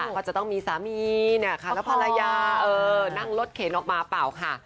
ก็จะต้องมีสามีเนี่ยค่ะแล้วภรรยานั่งรถเข็นออกมาเปล่าค่ะ